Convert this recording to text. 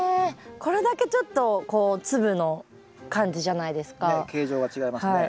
これだけちょっとこう粒の感じじゃないですか？ね？